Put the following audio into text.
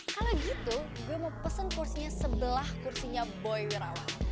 kalau gitu gue mau pesen porsinya sebelah kursinya boy wirawan